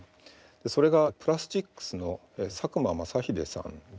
それがプラスチックスの佐久間正英さんです。